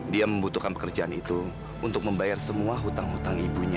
dia membutuhkan pekerjaan itu untuk membayar semua hutang hutang ibunya